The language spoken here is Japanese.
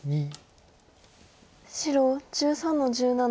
白１３の十七。